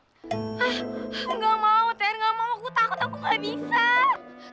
hah gak mau ter gak mau aku takut aku gak bisa